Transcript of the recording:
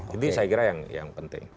jadi saya kira yang penting